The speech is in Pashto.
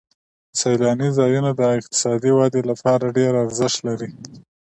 سیلاني ځایونه د اقتصادي ودې لپاره ډېر ارزښت لري.